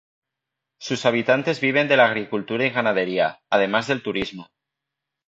Sus habitantes viven de la agricultura y ganadería, además del turismo.